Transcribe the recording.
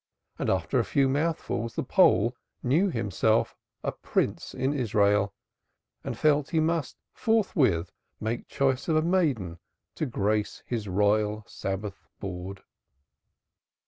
And after a few mouthfuls, the Pole knew himself a Prince in Israel and felt he must forthwith make choice of a maiden to grace his royal Sabbath board.